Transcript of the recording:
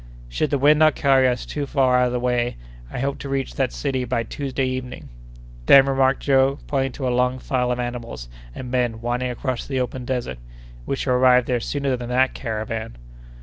"Should the wind not carry us too far out of the way, I hope to reach that city by Tuesday evening." "Then," remarked Joe, pointing to a long file of animals and men winding across the open desert, "we shall arrive there sooner than that caravan."